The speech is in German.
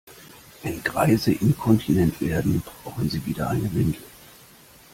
Wenn Greise inkontinent werden, brauchen sie wieder eine Windel.